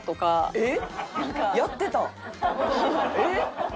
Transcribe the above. えっ！